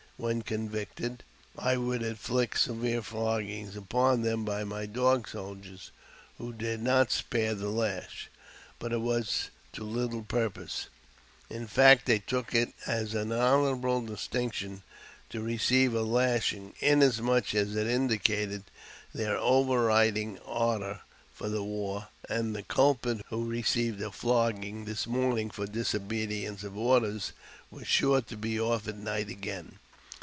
When convicted, I would inflict severe floggings upon them by my Dog Soldiers (who did not spare the lash) ; but it was to little purpose. In fact, they took it as honourable distinction to receive a lashing, inasmuch as it indicated their overruling ardour for war ; and the culprit who received a flogging this morning for disobedience of orders, was sure to be off at night again.